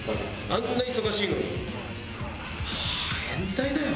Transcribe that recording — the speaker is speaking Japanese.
あんな忙しいのに。